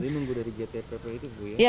dari menunggu gtpp itu bu ya